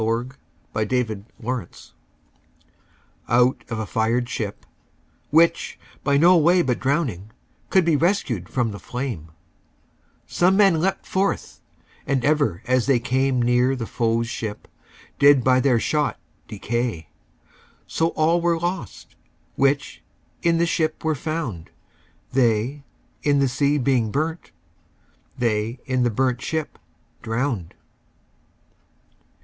202919A Burnt ShipJohn Donne Out of a fired ship, which, by no way But drowning, could be rescued from the flame, Some men leap'd forth, and ever as they came Neere the foes ships, did by their shot decay; So all were lost, which in the ship were found, They in the sea being burnt, they in the burnt ship drown'd.